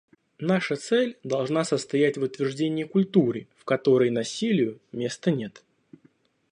Наша цель должна состоять в утверждении культуры, в которой насилию места нет.